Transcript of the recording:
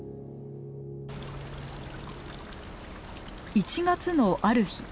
１月のある日。